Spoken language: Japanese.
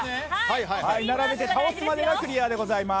並べて倒すまでがクリアでございます。